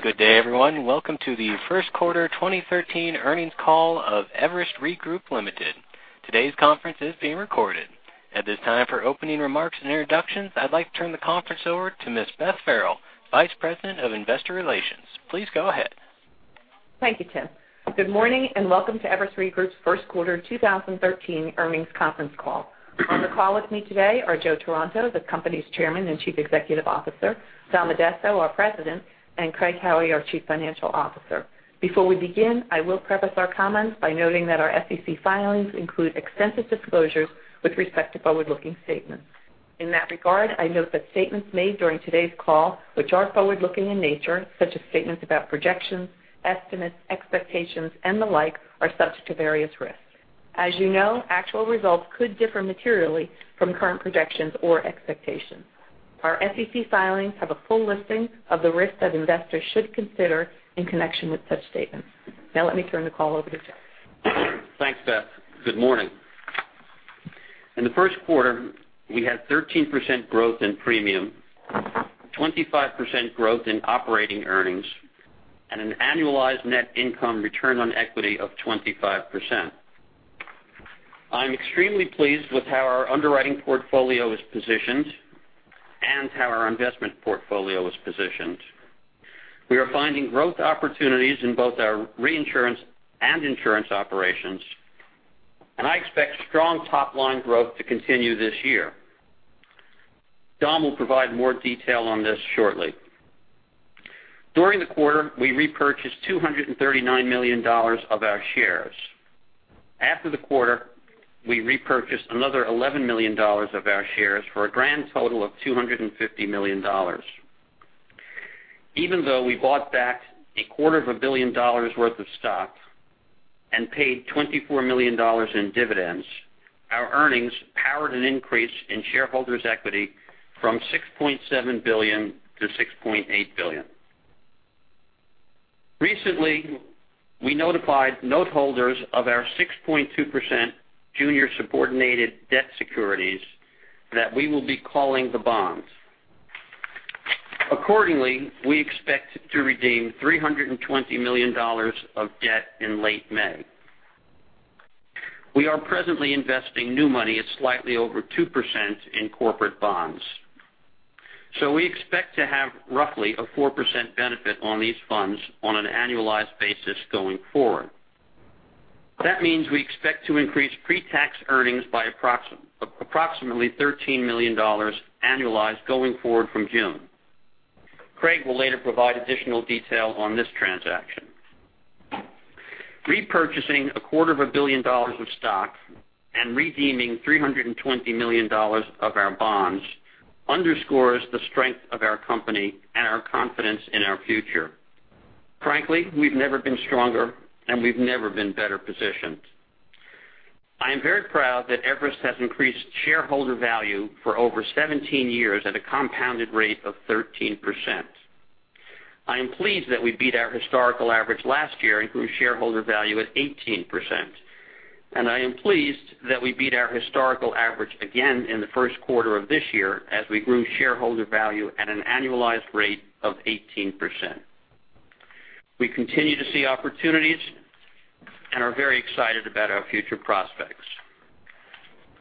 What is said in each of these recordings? Good day, everyone. Welcome to the first quarter 2013 earnings call of Everest Re Group, Ltd. Today's conference is being recorded. At this time, for opening remarks and introductions, I'd like to turn the conference over to Ms. Beth Farrell, Vice President of Investor Relations. Please go ahead. Thank you, Tim. Good morning and welcome to Everest Re Group's first quarter 2013 earnings conference call. On the call with me today are Joe Taranto, the company's Chairman and Chief Executive Officer, Dom Addesso, our President, and Craig Howie, our Chief Financial Officer. Before we begin, I will preface our comments by noting that our SEC filings include extensive disclosures with respect to forward-looking statements. In that regard, I note that statements made during today's call, which are forward-looking in nature, such as statements about projections, estimates, expectations, and the like, are subject to various risks. As you know, actual results could differ materially from current projections or expectations. Our SEC filings have a full listing of the risks that investors should consider in connection with such statements. Let me turn the call over to Joe. Thanks, Beth. Good morning. In the first quarter, we had 13% growth in premium, 25% growth in operating earnings, and an annualized net income return on equity of 25%. I'm extremely pleased with how our underwriting portfolio is positioned and how our investment portfolio is positioned. We are finding growth opportunities in both our reinsurance and insurance operations. I expect strong top-line growth to continue this year. Dom will provide more detail on this shortly. During the quarter, we repurchased $239 million of our shares. After the quarter, we repurchased another $11 million of our shares for a grand total of $250 million. Even though we bought back a quarter of a billion dollars worth of stock and paid $24 million in dividends, our earnings powered an increase in shareholders' equity from $6.7 billion to $6.8 billion. Recently, we notified note holders of our 6.2% junior subordinated debt securities that we will be calling the bonds. Accordingly, we expect to redeem $320 million of debt in late May. We are presently investing new money at slightly over 2% in corporate bonds. We expect to have roughly a 4% benefit on these funds on an annualized basis going forward. That means we expect to increase pre-tax earnings by approximately $13 million annualized going forward from June. Craig will later provide additional detail on this transaction. Repurchasing a quarter of a billion dollars of stock and redeeming $320 million of our bonds underscores the strength of our company and our confidence in our future. Frankly, we've never been stronger, and we've never been better positioned. I am very proud that Everest has increased shareholder value for over 17 years at a compounded rate of 13%. I am pleased that we beat our historical average last year and grew shareholder value at 18%. I am pleased that we beat our historical average again in the first quarter of this year as we grew shareholder value at an annualized rate of 18%. We continue to see opportunities and are very excited about our future prospects.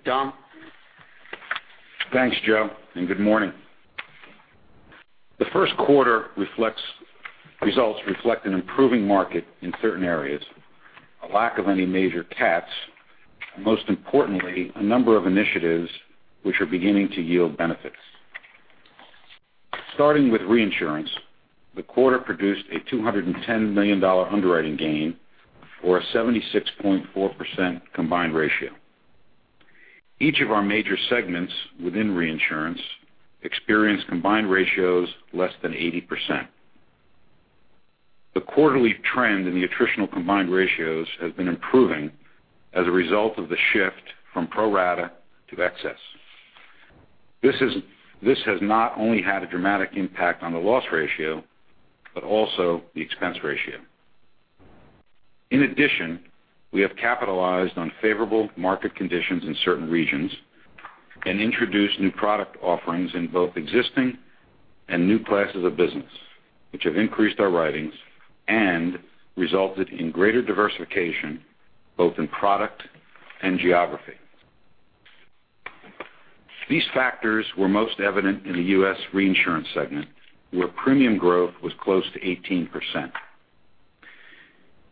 Dom? Thanks, Joe, and good morning. The first quarter results reflect an improving market in certain areas, a lack of any major cats, and most importantly, a number of initiatives which are beginning to yield benefits. Starting with reinsurance, the quarter produced a $210 million underwriting gain for a 76.4% combined ratio. Each of our major segments within reinsurance experienced combined ratios less than 80%. The quarterly trend in the attritional combined ratios has been improving as a result of the shift from pro-rata to excess. This has not only had a dramatic impact on the loss ratio, but also the expense ratio. In addition, we have capitalized on favorable market conditions in certain regions and introduced new product offerings in both existing and new classes of business, which have increased our writings and resulted in greater diversification, both in product and geography. These factors were most evident in the U.S. reinsurance segment, where premium growth was close to 18%.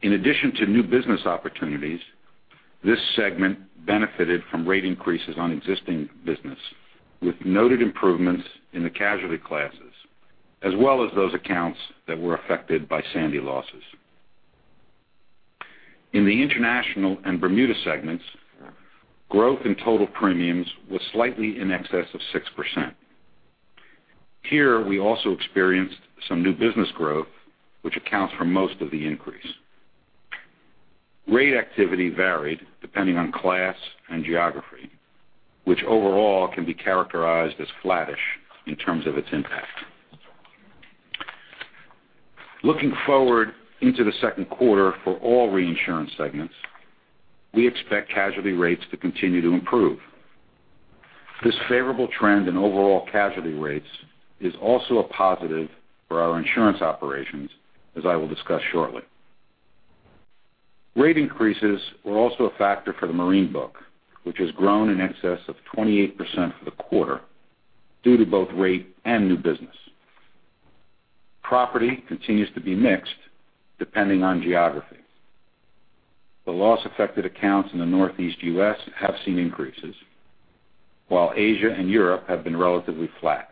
In addition to new business opportunities, this segment benefited from rate increases on existing business, with noted improvements in the casualty classes, as well as those accounts that were affected by Sandy losses. In the international and Bermuda segments, growth in total premiums was slightly in excess of 6%. Here, we also experienced some new business growth, which accounts for most of the increase. Rate activity varied depending on class and geography, which overall can be characterized as flattish in terms of its impact. Looking forward into the second quarter for all reinsurance segments, we expect casualty rates to continue to improve. This favorable trend in overall casualty rates is also a positive for our insurance operations, as I will discuss shortly. Rate increases were also a factor for the marine book, which has grown in excess of 28% for the quarter due to both rate and new business. Property continues to be mixed depending on geography. The loss-affected accounts in the Northeast U.S. have seen increases, while Asia and Europe have been relatively flat.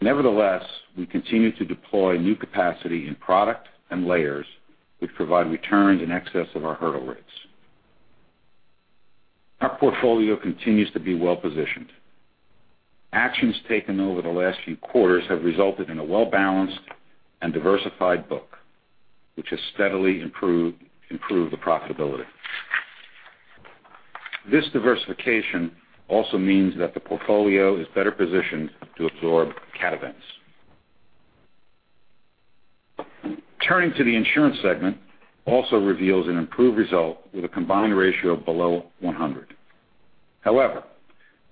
Nevertheless, we continue to deploy new capacity in product and layers which provide returns in excess of our hurdle rates. Our portfolio continues to be well-positioned. Actions taken over the last few quarters have resulted in a well-balanced and diversified book, which has steadily improved the profitability. This diversification also means that the portfolio is better positioned to absorb cat events. Turning to the insurance segment also reveals an improved result with a combined ratio of below 100.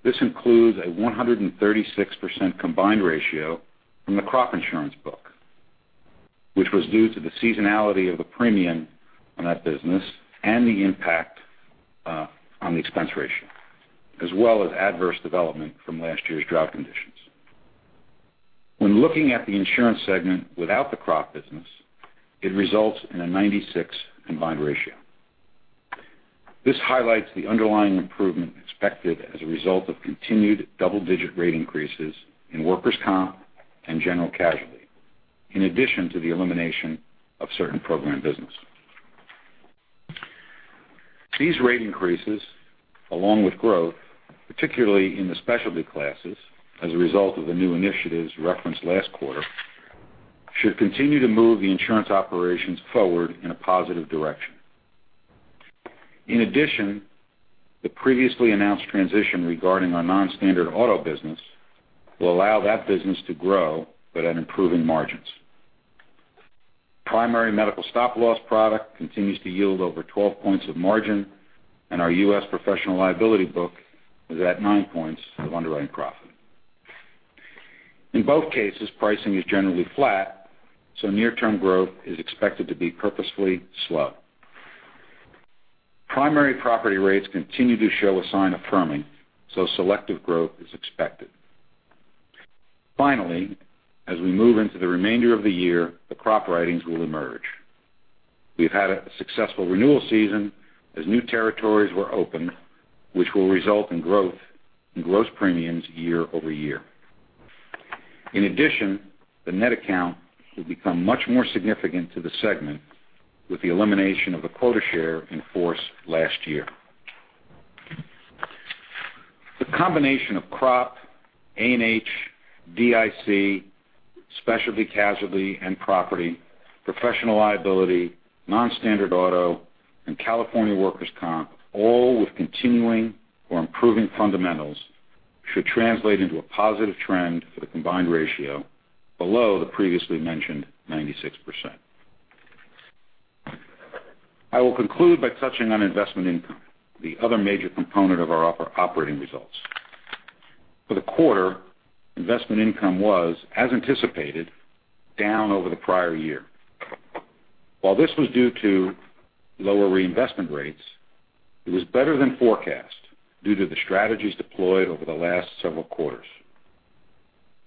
This includes a 136% combined ratio from the crop insurance book, which was due to the seasonality of the premium on that business and the impact on the expense ratio, as well as adverse development from last year's drought conditions. When looking at the insurance segment without the crop business, it results in a 96% combined ratio. This highlights the underlying improvement expected as a result of continued double-digit rate increases in workers' comp and general casualty, in addition to the elimination of certain program business. These rate increases, along with growth, particularly in the specialty classes as a result of the new initiatives referenced last quarter, should continue to move the insurance operations forward in a positive direction. In addition, the previously announced transition regarding our non-standard auto business will allow that business to grow but at improving margins. Primary medical stop-loss product continues to yield over 12 points of margin. Our U.S. professional liability book is at nine points of underwriting profit. In both cases, pricing is generally flat, near-term growth is expected to be purposefully slow. Primary property rates continue to show a sign of firming, selective growth is expected. As we move into the remainder of the year, the crop writings will emerge. We've had a successful renewal season as new territories were opened, which will result in growth in gross premiums year-over-year. The net account will become much more significant to the segment with the elimination of the quota share in force last year. The combination of crop, A&H, DIC, specialty casualty and property, professional liability, non-standard auto and California workers' comp, all with continuing or improving fundamentals, should translate into a positive trend for the combined ratio below the previously mentioned 96%. I will conclude by touching on investment income, the other major component of our operating results. For the quarter, investment income was, as anticipated, down over the prior year. While this was due to lower reinvestment rates, it was better than forecast due to the strategies deployed over the last several quarters.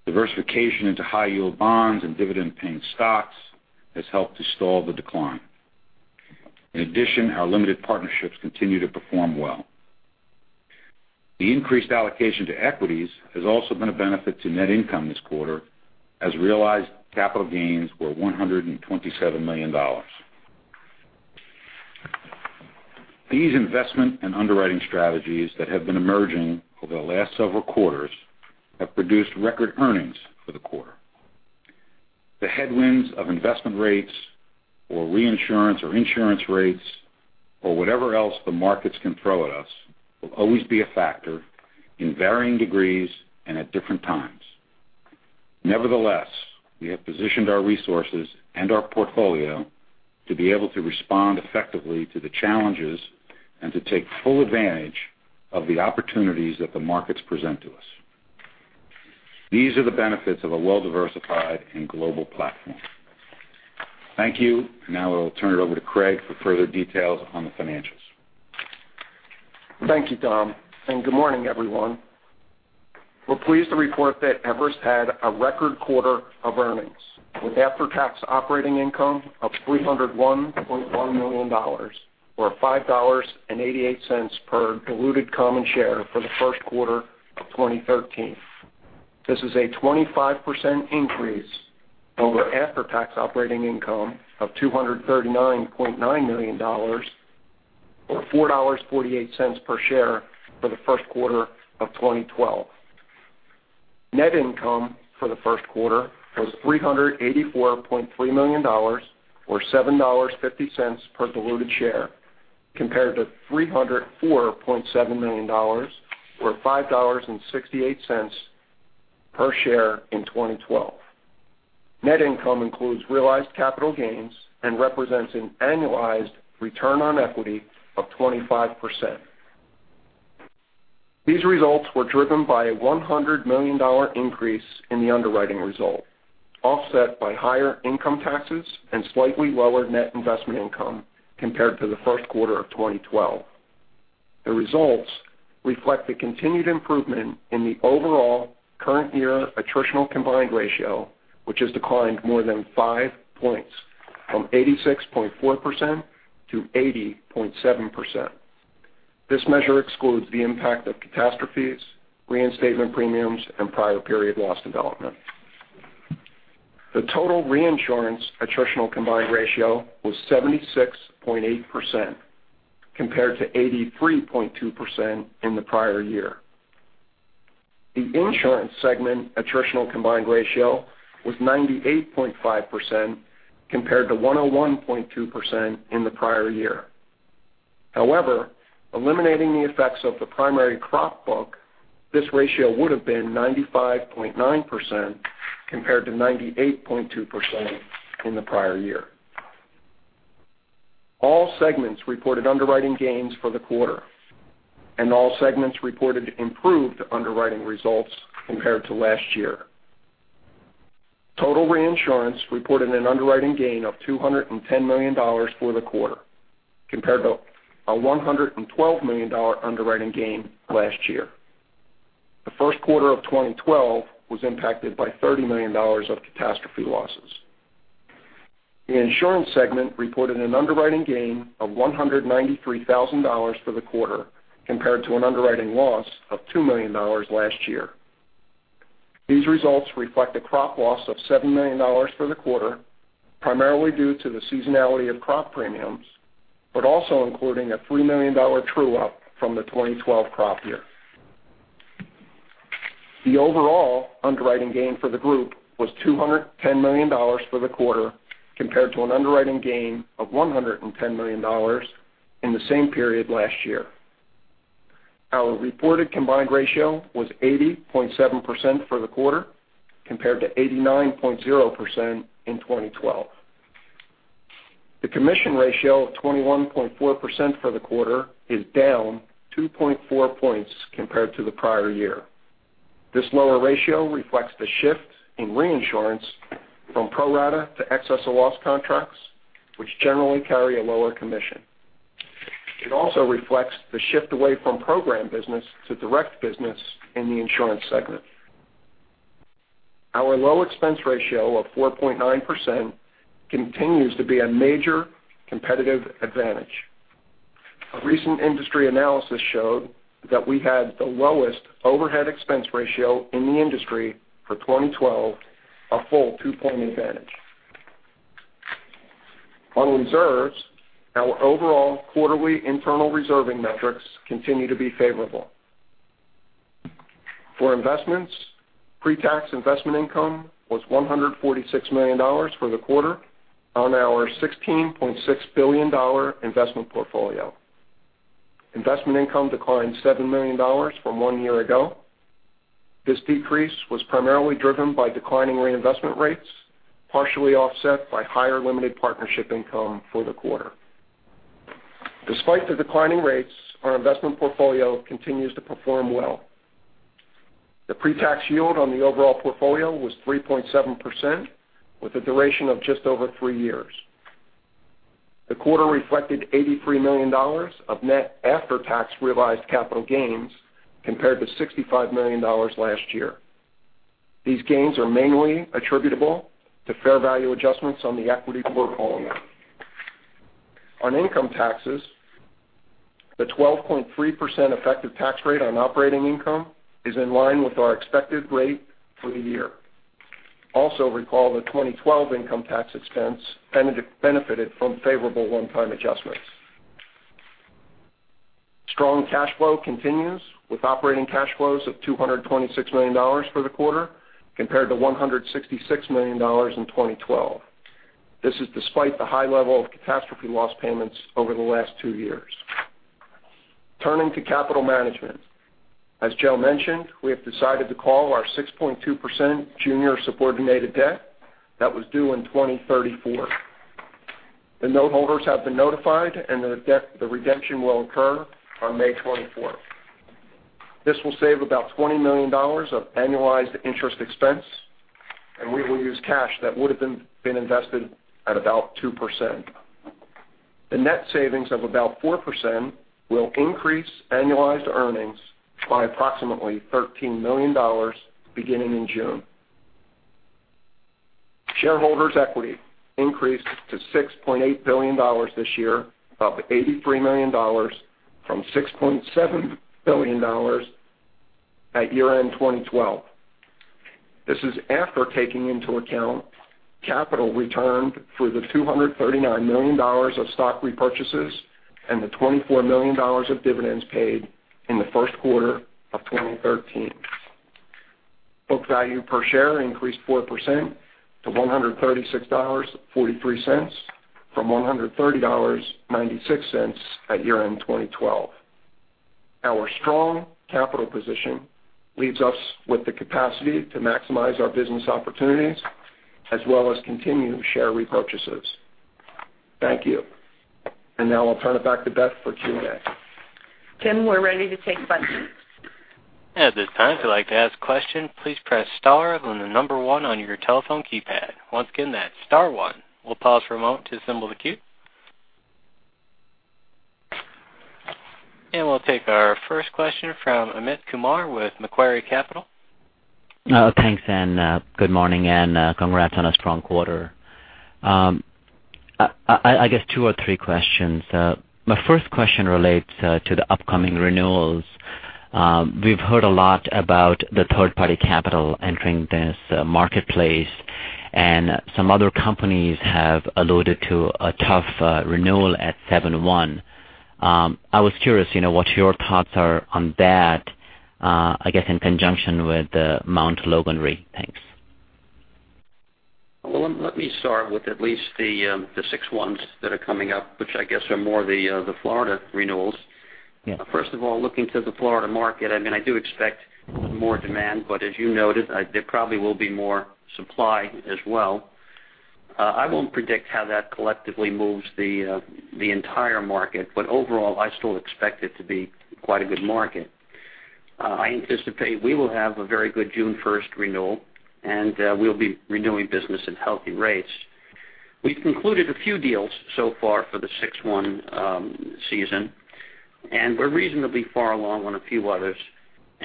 Diversification into high-yield bonds and dividend-paying stocks has helped to stall the decline. Our limited partnerships continue to perform well. The increased allocation to equities has also been a benefit to net income this quarter, as realized capital gains were $127 million. These investment and underwriting strategies that have been emerging over the last several quarters have produced record earnings for the quarter. The headwinds of investment rates or reinsurance or insurance rates or whatever else the markets can throw at us will always be a factor in varying degrees and at different times. Nevertheless, we have positioned our resources and our portfolio to be able to respond effectively to the challenges and to take full advantage of the opportunities that the markets present to us. These are the benefits of a well-diversified and global platform. Thank you. Now I will turn it over to Craig for further details on the financials. Thank you, Tim, and good morning, everyone. We are pleased to report that Everest had a record quarter of earnings with after-tax operating income of $301.1 million, or $5.88 per diluted common share for the first quarter of 2013. This is a 25% increase over after-tax operating income of $239.9 million or $4.48 per share for the first quarter of 2012. Net income for the first quarter was $384.3 million, or $7.50 per diluted share, compared to $304.7 million or $5.68 per share in 2012. Net income includes realized capital gains and represents an annualized return on equity of 25%. These results were driven by a $100 million increase in the underwriting result, offset by higher income taxes and slightly lower net investment income compared to the first quarter of 2012. The results reflect the continued improvement in the overall current year attritional combined ratio, which has declined more than five points, from 86.4% to 80.7%. This measure excludes the impact of catastrophes, reinstatement premiums, and prior period loss development. The total reinsurance attritional combined ratio was 76.8%, compared to 83.2% in the prior year. The insurance segment attritional combined ratio was 98.5%, compared to 101.2% in the prior year. However, eliminating the effects of the primary crop book, this ratio would have been 95.9%, compared to 98.2% in the prior year. All segments reported underwriting gains for the quarter, and all segments reported improved underwriting results compared to last year. Total reinsurance reported an underwriting gain of $210 million for the quarter, compared to a $112 million underwriting gain last year. The first quarter of 2012 was impacted by $30 million of catastrophe losses. The insurance segment reported an underwriting gain of $193,000 for the quarter, compared to an underwriting loss of $2 million last year. These results reflect a crop loss of $7 million for the quarter, primarily due to the seasonality of crop premiums, but also including a $3 million true-up from the 2012 crop year. The overall underwriting gain for the group was $210 million for the quarter, compared to an underwriting gain of $110 million in the same period last year. Our reported combined ratio was 80.7% for the quarter, compared to 89.0% in 2012. The commission ratio of 21.4% for the quarter is down 2.4 points compared to the prior year. This lower ratio reflects the shift in reinsurance from pro-rata to excess of loss contracts, which generally carry a lower commission. It also reflects the shift away from program business to direct business in the insurance segment. Our low expense ratio of 4.9% continues to be a major competitive advantage. A recent industry analysis showed that we had the lowest overhead expense ratio in the industry for 2012, a full two-point advantage. On reserves, our overall quarterly internal reserving metrics continue to be favorable. For investments, pre-tax investment income was $146 million for the quarter on our $16.6 billion investment portfolio. Investment income declined $7 million from one year ago. This decrease was primarily driven by declining reinvestment rates, partially offset by higher limited partnership income for the quarter. Despite the declining rates, our investment portfolio continues to perform well. The pre-tax yield on the overall portfolio was 3.7%, with a duration of just over three years. The quarter reflected $83 million of net after-tax realized capital gains, compared to $65 million last year. These gains are mainly attributable to fair value adjustments on the equity portfolio. On income taxes, the 12.3% effective tax rate on operating income is in line with our expected rate for the year. Also recall that 2012 income tax expense benefited from favorable one-time adjustments. Strong cash flow continues, with operating cash flows of $226 million for the quarter, compared to $166 million in 2012. This is despite the high level of catastrophe loss payments over the last two years. Turning to capital management. As Joe mentioned, we have decided to call our 6.2% junior subordinated debt that was due in 2034. The note holders have been notified, and the redemption will occur on May 24th. This will save about $20 million of annualized interest expense, and we will use cash that would have been invested at about 2%. The net savings of about 4% will increase annualized earnings by approximately $13 million, beginning in June. Shareholders' equity increased to $6.8 billion this year, up $83 million from $6.7 billion at year-end 2012. This is after taking into account capital returned for the $239 million of stock repurchases and the $24 million of dividends paid in the first quarter of 2013. Book value per share increased 4% to $136.43 from $130.96 at year-end 2012. Our strong capital position leaves us with the capacity to maximize our business opportunities as well as continue share repurchases. Thank you. Now I'll turn it back to Beth for Q&A. Tim, we're ready to take questions. At this time, if you'd like to ask a question, please press star then the number one on your telephone keypad. Once again, that's star one. We'll pause for a moment to assemble the queue. We'll take our first question from Amit Kumar with Macquarie Capital. Thanks, good morning, and congrats on a strong quarter. I guess two or three questions. My first question relates to the upcoming renewals. We've heard a lot about the third-party capital entering this marketplace, some other companies have alluded to a tough renewal at seven one. I was curious, what your thoughts are on that, I guess, in conjunction with Mount Logan Re. Thanks. Well, let me start with at least the six ones that are coming up, which I guess are more the Florida renewals. Yeah. First of all, looking to the Florida market, I do expect more demand, as you noted, there probably will be more supply as well. I won't predict how that collectively moves the entire market, overall, I still expect it to be quite a good market. I anticipate we will have a very good June 1st renewal, we'll be renewing business at healthy rates. We've concluded a few deals so far for the six one season, we're reasonably far along on a few others.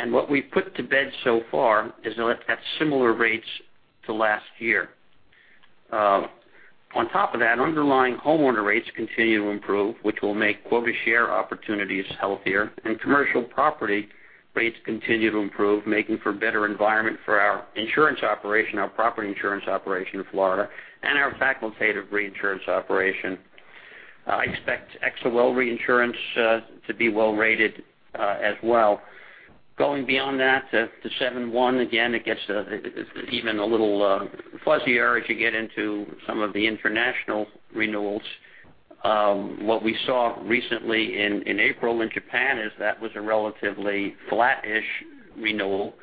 What we've put to bed so far is at similar rates to last year. On top of that, underlying homeowner rates continue to improve, which will make quota share opportunities healthier, commercial property rates continue to improve, making for a better environment for our insurance operation, our property insurance operation in Florida, and our facultative reinsurance operation. I expect XOL reinsurance to be well-rated as well. Going beyond that to seven one, again, it gets even a little fuzzier as you get into some of the international renewals. What we saw recently in April in Japan is that was a relatively flat-ish renewal.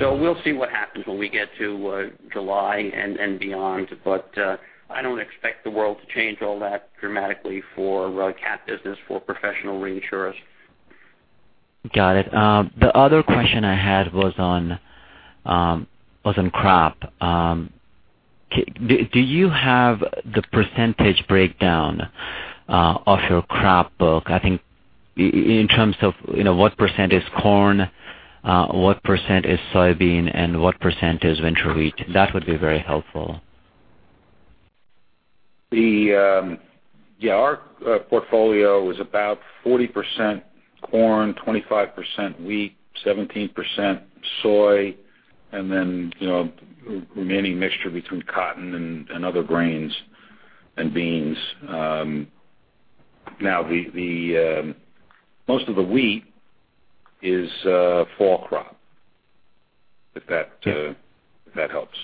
We'll see what happens when we get to July and beyond. I don't expect the world to change all that dramatically for cat business, for professional reinsurers. Got it. The other question I had was on crop. Do you have the % breakdown of your crop book? I think in terms of what % is corn, what % is soybean, and what % is winter wheat. That would be very helpful. Yeah. Our portfolio is about 40% corn, 25% wheat, 17% soy, and then remaining mixture between cotton and other grains and beans. Most of the wheat is fall crop, if that helps.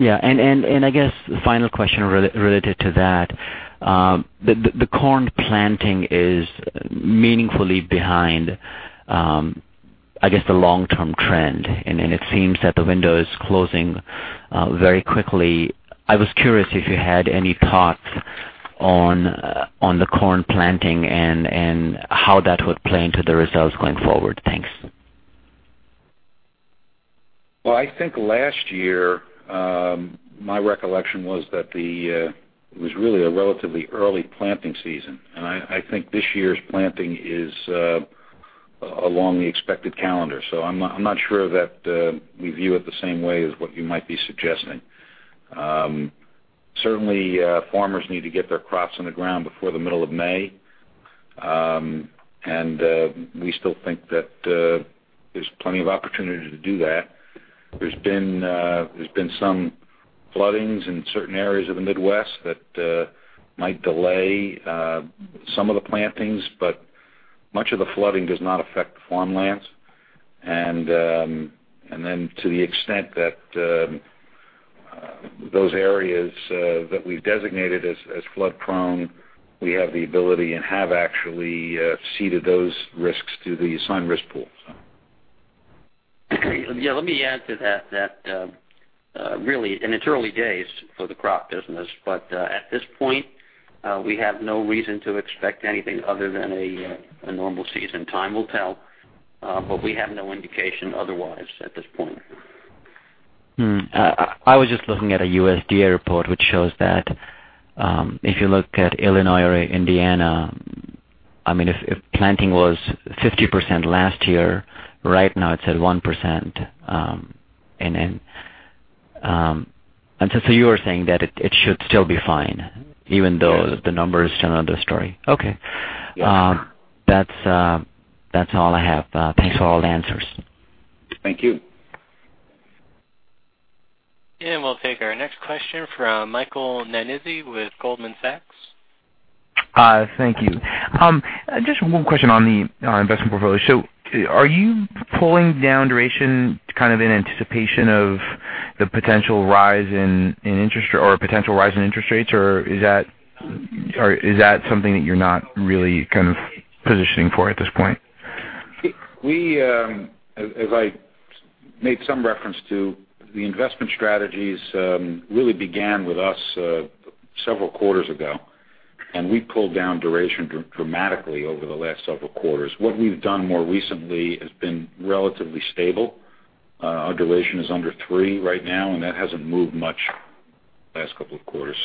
Yeah. I guess the final question related to that, the corn planting is meaningfully behind, I guess, the long-term trend, and it seems that the window is closing very quickly. I was curious if you had any thoughts on the corn planting and how that would play into the results going forward. Thanks. I think last year, my recollection was that it was really a relatively early planting season. I think this year's planting is along the expected calendar. I'm not sure that we view it the same way as what you might be suggesting. Certainly, farmers need to get their crops in the ground before the middle of May. We still think that there's plenty of opportunity to do that. There's been some floodings in certain areas of the Midwest that might delay some of the plantings, but much of the flooding does not affect the farmlands. To the extent that those areas that we've designated as flood prone, we have the ability and have actually ceded those risks to the assigned risk pool. Let me add to that really, it's early days for the crop business, but at this point, we have no reason to expect anything other than a normal season. Time will tell. We have no indication otherwise at this point. I was just looking at a USDA report which shows that if you look at Illinois or Indiana, if planting was 50% last year, right now it's at 1%. You are saying that it should still be fine, even though- Yes the numbers tell another story. Okay. Yes. That's all I have. Thanks for all the answers. Thank you. We'll take our next question from Michael Nannizzi with Goldman Sachs. Thank you. Just one question on the investment portfolio. Are you pulling down duration kind of in anticipation of the potential rise in interest rates, or is that something that you're not really kind of positioning for at this point? We, as I made some reference to the investment strategies, really began with us several quarters ago, and we pulled down duration dramatically over the last several quarters. What we've done more recently has been relatively stable. Our duration is under three right now, and that hasn't moved much the last couple of quarters.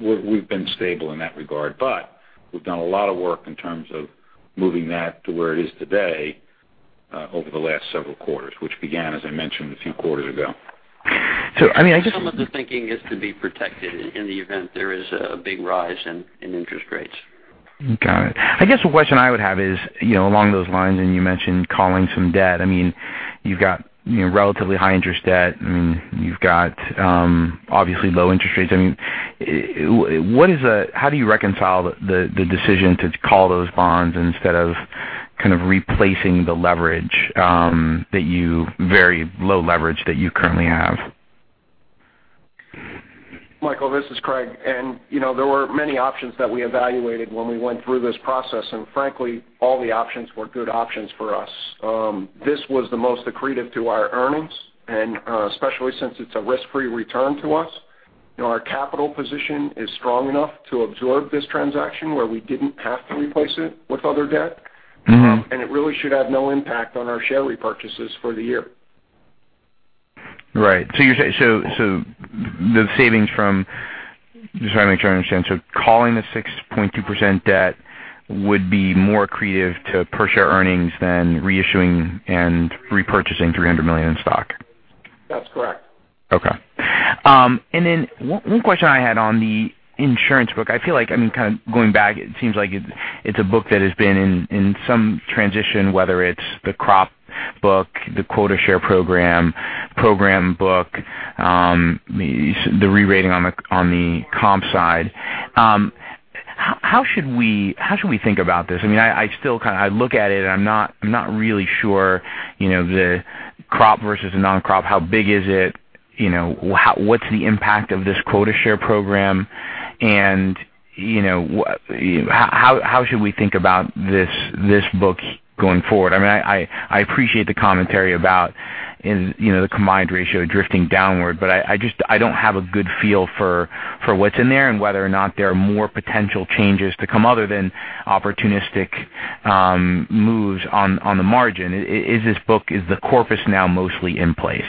We've been stable in that regard. We've done a lot of work in terms of moving that to where it is today over the last several quarters, which began, as I mentioned, a few quarters ago. So I just- Some of the thinking is to be protected in the event there is a big rise in interest rates. Got it. I guess the question I would have is along those lines, and you mentioned calling some debt. You've got relatively high-interest debt, and you've got obviously low interest rates. How do you reconcile the decision to call those bonds instead of kind of replacing the very low leverage that you currently have? Michael, this is Craig. There were many options that we evaluated when we went through this process, and frankly, all the options were good options for us. This was the most accretive to our earnings, especially since it's a risk-free return to us. Our capital position is strong enough to absorb this transaction, where we didn't have to replace it with other debt. It really should have no impact on our share repurchases for the year. Right. The savings from, just trying to make sure I understand, so calling the 6.2% debt would be more accretive to per-share earnings than reissuing and repurchasing $300 million in stock. That's correct. Okay. One question I had on the insurance book, I feel like, kind of going back, it seems like it's a book that has been in some transition, whether it's the crop book, the quota share program book, the rerating on the comp side. How should we think about this? I look at it and I'm not really sure the crop versus the non-crop, how big is it? What's the impact of this quota share program, and how should we think about this book going forward? I appreciate the commentary about the combined ratio drifting downward, but I don't have a good feel for what's in there and whether or not there are more potential changes to come other than opportunistic moves on the margin. Is the corpus now mostly in place?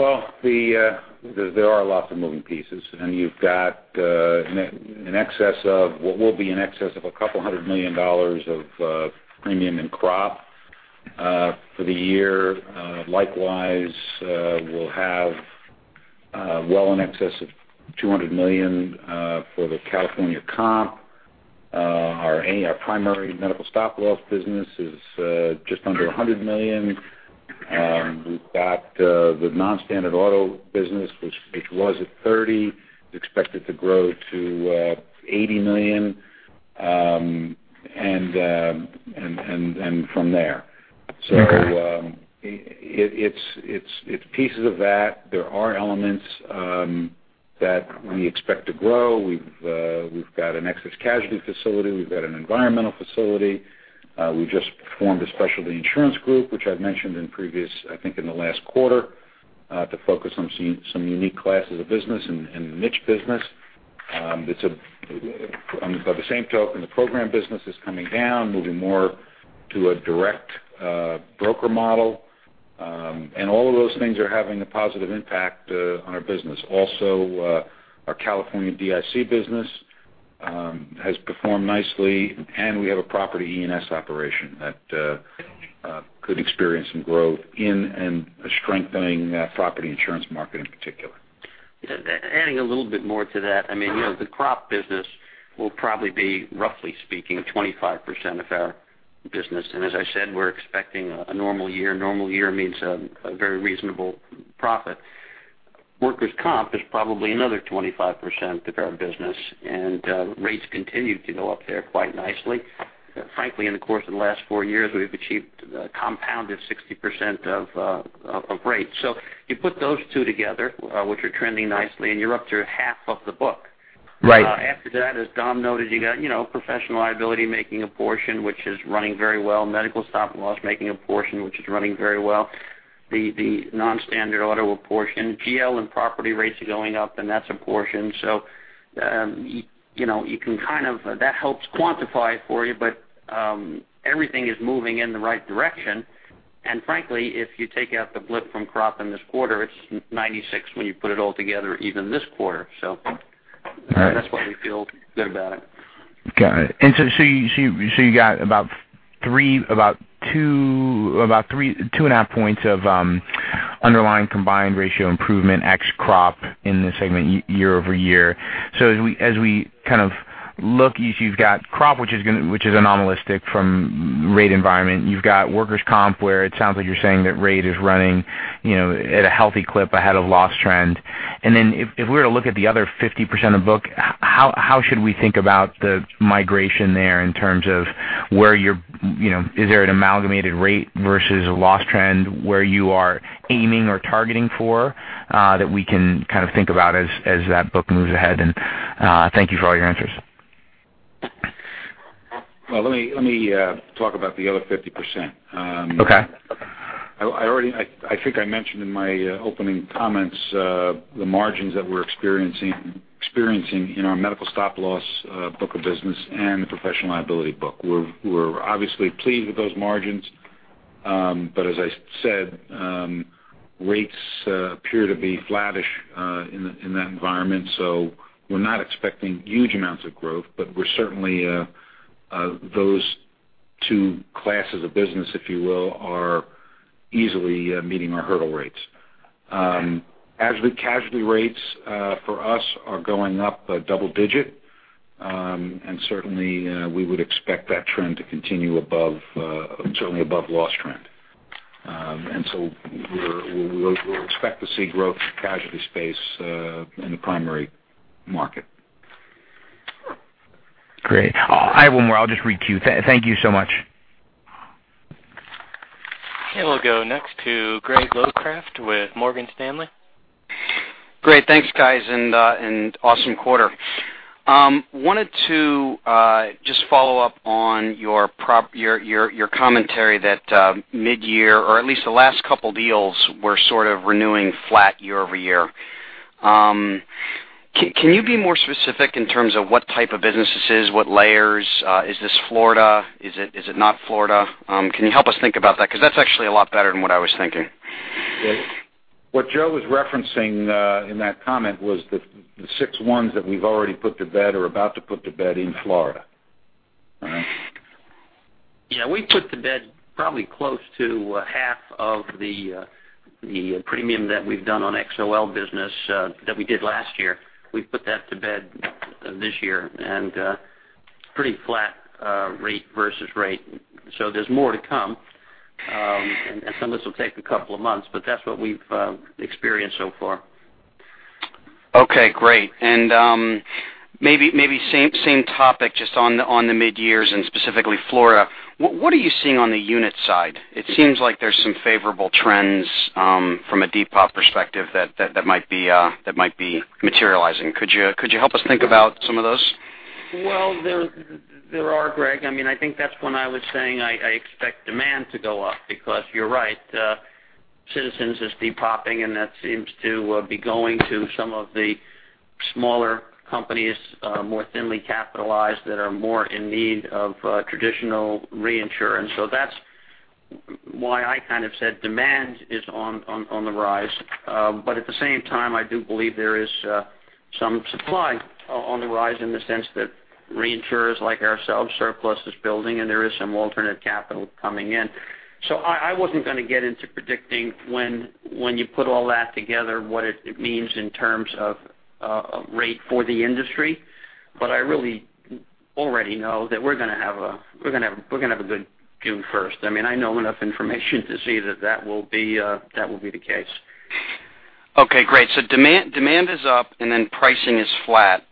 Well, there are lots of moving pieces. You've got what will be in excess of $200 million of premium in crop for the year. Likewise, we'll have well in excess of $200 million for the California comp. Our primary medical stop-loss business is just under $100 million. We've got the non-standard auto business, which was at 30, is expected to grow to $80 million, and from there. It's pieces of that. There are elements that we expect to grow. We've got an excess casualty facility, we've got an environmental facility. We just formed a specialty insurance group, which I've mentioned in previous, I think in the last quarter, to focus on some unique classes of business and niche business. By the same token, the program business is coming down, moving more to a direct broker model. All of those things are having a positive impact on our business. Also, our California DIC business has performed nicely, and we have a property E&S operation that could experience some growth in a strengthening property insurance market in particular. Adding a little bit more to that. The crop business will probably be, roughly speaking, 25% of our business. As I said, we're expecting a normal year. A normal year means a very reasonable profit. Workers' comp is probably another 25% of our business, and rates continue to go up there quite nicely. Frankly, in the course of the last four years, we've achieved a compounded 60% of rates. You put those two together, which are trending nicely, and you're up to half of the book. Right. That, as Dom noted, you got professional liability making a portion, which is running very well, medical stop-loss making a portion, which is running very well. The non-standard auto portion, GL and property rates are going up, and that's a portion. That helps quantify it for you, but everything is moving in the right direction. Frankly, if you take out the blip from crop in this quarter, it's 96 when you put it all together, even this quarter. That's why we feel good about it. Got it. You got about two and a half points of underlying combined ratio improvement ex crop in this segment year-over-year. As we look, you've got crop, which is anomalistic from rate environment. You've got workers' compensation, where it sounds like you're saying that rate is running at a healthy clip ahead of loss trend. Then if we were to look at the other 50% of book, how should we think about the migration there in terms of is there an amalgamated rate versus a loss trend where you are aiming or targeting for that we can think about as that book moves ahead? Thank you for all your answers. Well, let me talk about the other 50%. Okay. I think I mentioned in my opening comments the margins that we're experiencing in our medical stop-loss book of business and the professional liability book. We're obviously pleased with those margins. As I said, rates appear to be flattish in that environment. We're not expecting huge amounts of growth, but certainly those two classes of business, if you will, are easily meeting our hurdle rates. Casualty rates for us are going up double-digit. Certainly, we would expect that trend to continue above loss trend. We'll expect to see growth in the casualty space in the primary market. Great. I have one more. I'll just be quick. Thank you so much. Okay, we'll go next to Greg Locraft with Morgan Stanley. Great. Thanks, guys. Awesome quarter. Wanted to just follow up on your commentary that mid-year, or at least the last couple deals, were sort of renewing flat year-over-year. Can you be more specific in terms of what type of business this is? What layers? Is this Florida? Is it not Florida? Can you help us think about that? That's actually a lot better than what I was thinking. What Joe was referencing in that comment was the six ones that we've already put to bed or about to put to bed in Florida. All right. Yeah, we put to bed probably close to half of the premium that we've done on XOL business that we did last year. We've put that to bed this year and pretty flat rate versus rate. There's more to come. Some of this will take a couple of months, but that's what we've experienced so far. Okay, great. Maybe same topic just on the mid-years and specifically Florida. What are you seeing on the unit side? It seems like there's some favorable trends from a depopulation perspective that might be materializing. Could you help us think about some of those? Well, there are, Greg. I think that's when I was saying I expect demand to go up because you're right. Citizens is depoping, and that seems to be going to some of the smaller companies, more thinly capitalized, that are more in need of traditional reinsurance. That's why I kind of said demand is on the rise. At the same time, I do believe there is some supply on the rise in the sense that reinsurers like ourselves, surplus is building and there is some alternate capital coming in. I wasn't going to get into predicting when you put all that together, what it means in terms of rate for the industry. I really already know that we're going to have a good June 1st. I know enough information to see that will be the case. Okay, great. Demand is up and then pricing is flat.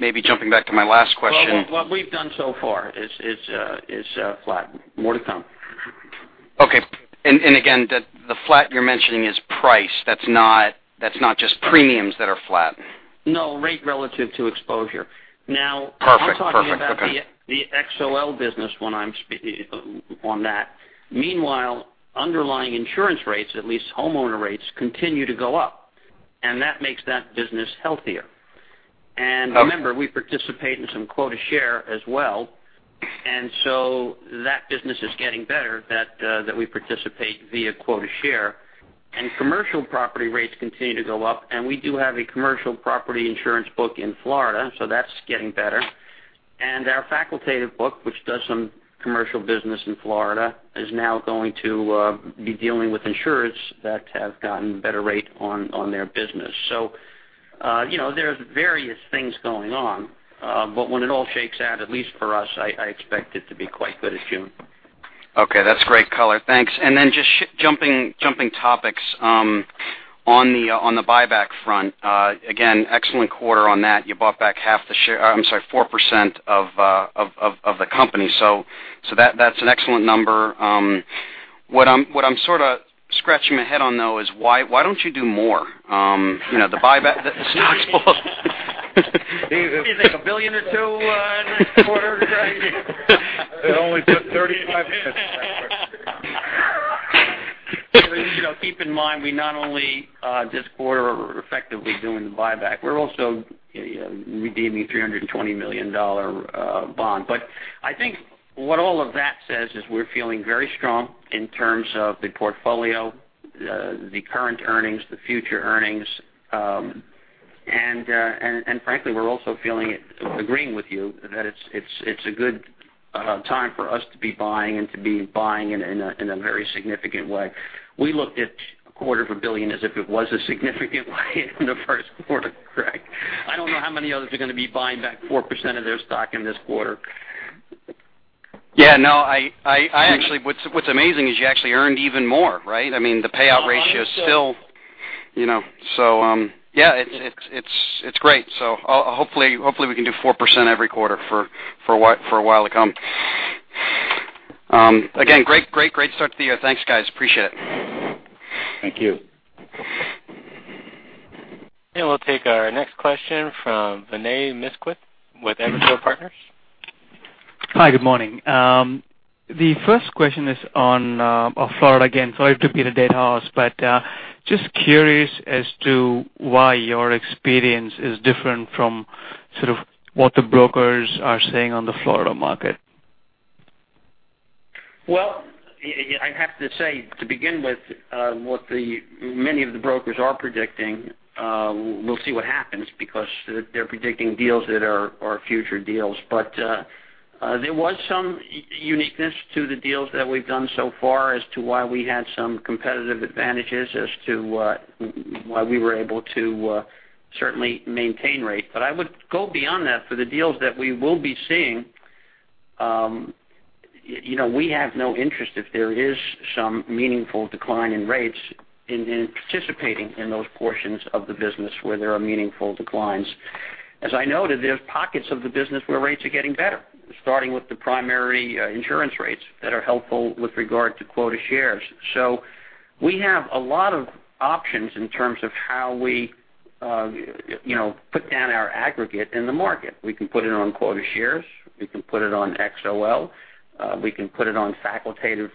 Maybe jumping back to my last question- Well, what we've done so far is flat. More to come. Okay. Again, the flat you're mentioning is price. That's not just premiums that are flat. No, rate relative to exposure. Perfect. I'm talking about the XOL business on that. Meanwhile, underlying insurance rates, at least homeowner rates, continue to go up, and that makes that business healthier. Remember, we participate in some quota share as well. That business is getting better that we participate via quota share. Commercial property rates continue to go up, and we do have a commercial property insurance book in Florida, so that's getting better. Our facultative book, which does some commercial business in Florida, is now going to be dealing with insurers that have gotten better rate on their business. There's various things going on. When it all shakes out, at least for us, I expect it to be quite good as June. Okay. That's great color. Thanks. Just jumping topics. On the buyback front, again, excellent quarter on that. You bought back 4% of the company. That's an excellent number. What I'm sort of scratching my head on, though, is why don't you do more? The buyback, the stock's What do you think, $1 billion or $2 billion next quarter, Greg? It only took 35 minutes. Keep in mind, we not only this quarter are effectively doing the buyback, we're also redeeming a $320 million bond. I think what all of that says is we're feeling very strong in terms of the portfolio, the current earnings, the future earnings, and frankly, we're also agreeing with you that it's a good time for us to be buying and to be buying in a very significant way. We looked at a quarter of a billion as if it was a significant way in the first quarter, Craig. I don't know how many others are going to be buying back 4% of their stock in this quarter. Yeah, no. Actually, what's amazing is you actually earned even more, right? The payout ratio is still-- Yeah, it's great. Hopefully, we can do 4% every quarter for a while to come. Again, great start to the year. Thanks, guys. Appreciate it. Thank you. We'll take our next question from Vinay Misquith with Evercore Partners. Hi, good morning. The first question is on Florida again. Sorry to beat a dead horse, but just curious as to why your experience is different from sort of what the brokers are saying on the Florida market. I have to say, to begin with, what many of the brokers are predicting, we'll see what happens because they're predicting deals that are our future deals. There was some uniqueness to the deals that we've done so far as to why we had some competitive advantages as to why we were able to certainly maintain rate. I would go beyond that for the deals that we will be seeing. We have no interest if there is some meaningful decline in rates in participating in those portions of the business where there are meaningful declines. As I noted, there's pockets of the business where rates are getting better, starting with the primary insurance rates that are helpful with regard to quota shares. We have a lot of options in terms of how we put down our aggregate in the market. We can put it on quota shares, we can put it on XOL, we can put it on facultative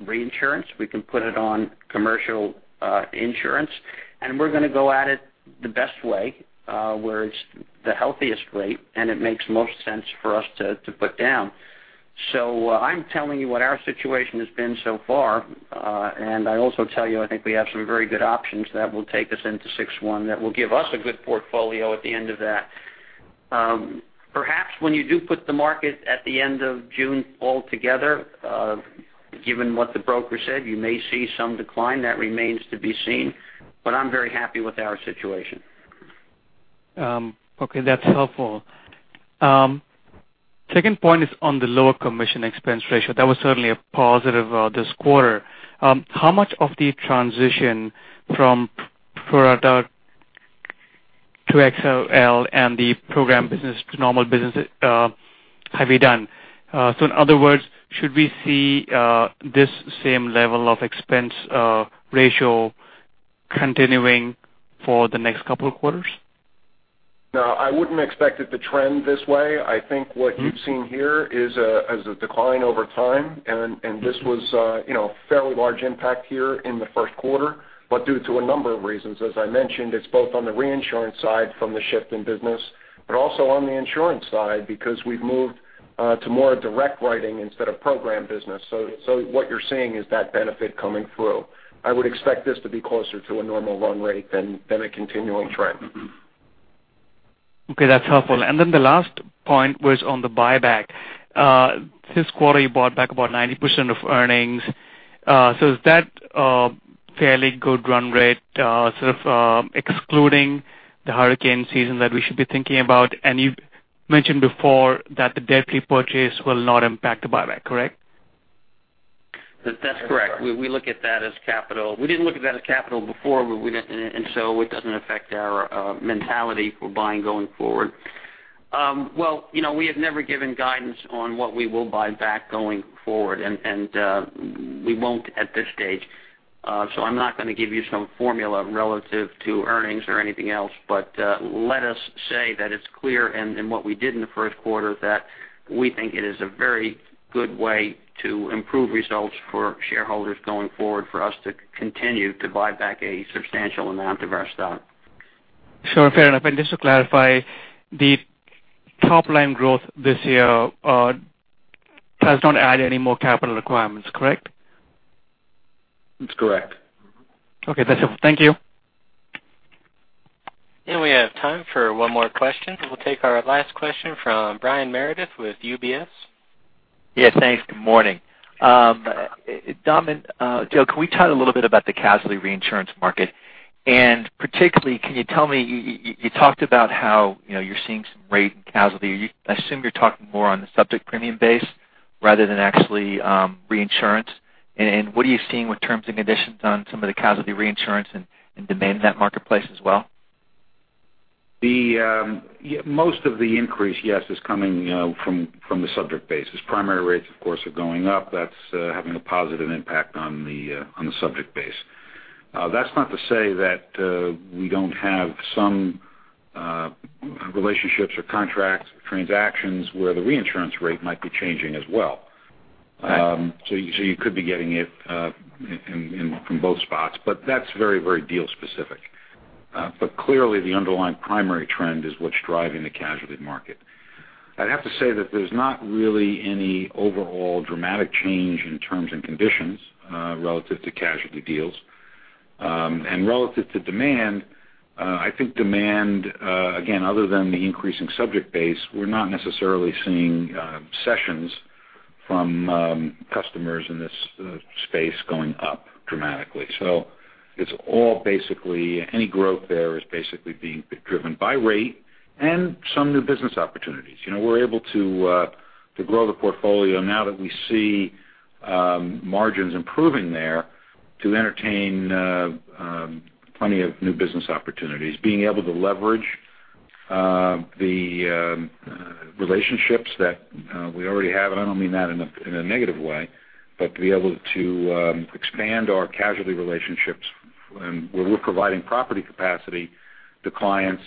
reinsurance, we can put it on commercial insurance. We're going to go at it the best way, where it's the healthiest rate and it makes most sense for us to put down. I'm telling you what our situation has been so far. I also tell you, I think we have some very good options that will take us into 6/1 that will give us a good portfolio at the end of that. Perhaps when you do put the market at the end of June all together, given what the broker said, you may see some decline. That remains to be seen, but I'm very happy with our situation. That's helpful. Second point is on the lower commission expense ratio. That was certainly a positive this quarter. How much of the transition from Florida to XOL and the program business to normal business have you done? In other words, should we see this same level of expense ratio continuing for the next couple of quarters? I wouldn't expect it to trend this way. I think what you've seen here is a decline over time. This was a fairly large impact here in the first quarter, due to a number of reasons. As I mentioned, it's both on the reinsurance side from the shift in business. Also on the insurance side because we've moved to more direct writing instead of program business. What you're seeing is that benefit coming through. I would expect this to be closer to a normal run rate than a continuing trend. Okay, that is helpful. The last point was on the buyback. This quarter, you bought back about 90% of earnings. Is that a fairly good run rate sort of excluding the hurricane season that we should be thinking about? You mentioned before that the debt repurchase will not impact the buyback, correct? That is correct. We look at that as capital. We did not look at that as capital before, so it does not affect our mentality for buying going forward. We have never given guidance on what we will buy back going forward, and we will not at this stage. I am not going to give you some formula relative to earnings or anything else. Let us say that it is clear and what we did in the first quarter that we think it is a very good way to improve results for shareholders going forward for us to continue to buy back a substantial amount of our stock. Sure, fair enough. Just to clarify, the top line growth this year does not add any more capital requirements, correct? That is correct. Okay, that's it. Thank you. We have time for one more question. We'll take our last question from Brian Meredith with UBS. Yes, thanks. Good morning. Dom and Joe, can we talk a little bit about the casualty reinsurance market? Particularly, can you tell me, you talked about how you're seeing some rate in casualty. I assume you're talking more on the subject premium base rather than actually reinsurance. What are you seeing with terms and conditions on some of the casualty reinsurance and demand in that marketplace as well? Most of the increase, yes, is coming from the subject bases. Primary rates, of course, are going up. That's having a positive impact on the subject base. That's not to say that we don't have some relationships or contracts, transactions where the reinsurance rate might be changing as well. Okay. You could be getting it from both spots, but that's very deal specific. Clearly, the underlying primary trend is what's driving the casualty market. I'd have to say that there's not really any overall dramatic change in terms and conditions relative to casualty deals. Relative to demand, I think demand, again, other than the increasing subject base, we're not necessarily seeing cessions from customers in this space going up dramatically. Any growth there is basically being driven by rate and some new business opportunities. We're able to grow the portfolio now that we see margins improving there to entertain plenty of new business opportunities. Being able to leverage the relationships that we already have, and I don't mean that in a negative way, but to be able to expand our casualty relationships where we're providing property capacity to clients.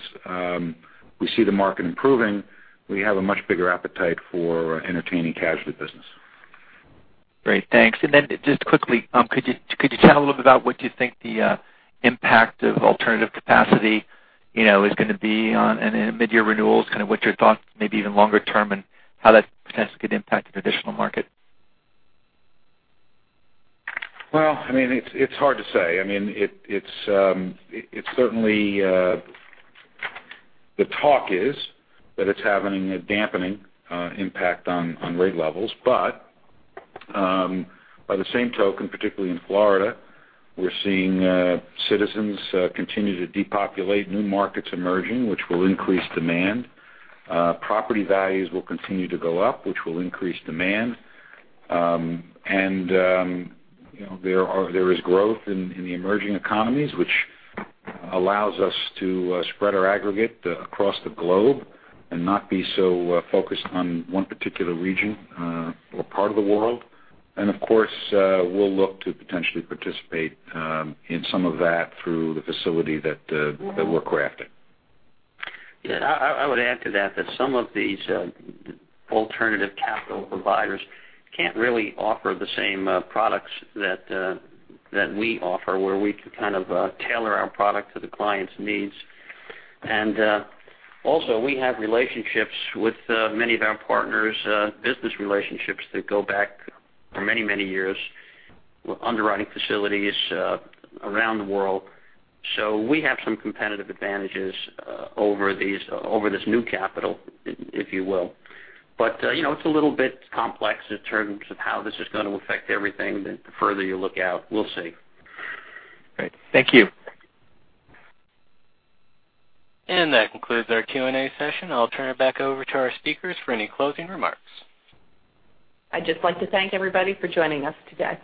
We see the market improving. We have a much bigger appetite for entertaining casualty business. Great, thanks. Then just quickly, could you chat a little bit about what you think the impact of alternative capacity is going to be on mid-year renewals, kind of what's your thought maybe even longer term, and how that potentially could impact the traditional market? Well, it's hard to say. The talk is that it's having a dampening impact on rate levels. By the same token, particularly in Florida, we're seeing Citizens continue to depopulate new markets emerging, which will increase demand. Property values will continue to go up, which will increase demand. There is growth in the emerging economies, which allows us to spread our aggregate across the globe and not be so focused on one particular region or part of the world. Of course, we'll look to potentially participate in some of that through the facility that we're crafting. Yeah, I would add to that some of these alternative capital providers can't really offer the same products that we offer, where we can kind of tailor our product to the client's needs. Also, we have relationships with many of our partners, business relationships that go back for many, many years, underwriting facilities around the world. We have some competitive advantages over this new capital, if you will. It's a little bit complex in terms of how this is going to affect everything the further you look out. We'll see. Great. Thank you. That concludes our Q&A session. I'll turn it back over to our speakers for any closing remarks. I'd just like to thank everybody for joining us today.